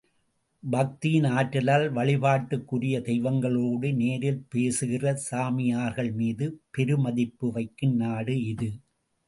பக்தியின் ஆற்றலால், வழிபாட்டுக்குரிய தெய்வங்களோடு நேரில் பேசுகிற சாமியார்கள்மீது பெருமதிப்பு வைக்கும் நாடு இது.